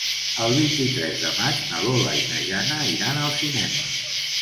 El vint-i-tres de maig na Lola i na Jana iran al cinema.